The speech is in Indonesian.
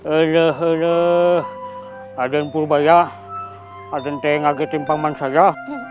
elah elah adan purbaya adan teh ngagetin paman saya